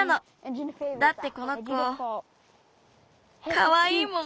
だってこの子かわいいもん。